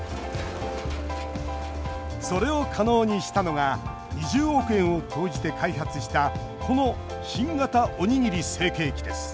それを可能にしたのが２０億円を投じて開発したこの新型おにぎり成型機です。